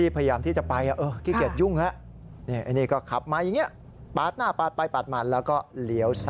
ปาดหน้าไปปาดมันแล้วก็เหลียว๓